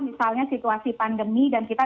misalnya situasi pandemi dan kita